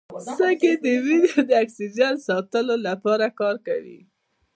سږي د وینې د اکسیجن ساتلو لپاره کار کوي.